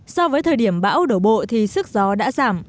so với thời điểm bão đổ bộ thì sức gió đã giảm